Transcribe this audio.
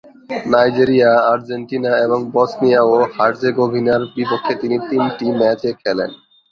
Nigeria, Argentina এবং Bosnia ও হার্জেগোভিনার বিপক্ষে তিনি তিনটি ম্যাচে খেলেন।